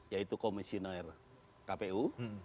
yaitu komisioner kpu